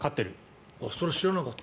それは知らなかった。